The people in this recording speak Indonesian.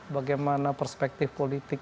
bagaimana perspektif politik